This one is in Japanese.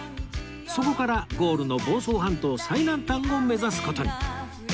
そこからゴールの房総半島最南端を目指す事に